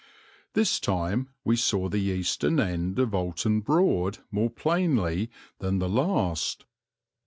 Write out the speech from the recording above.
This time we saw the eastern end of Oulton Broad more plainly than the last.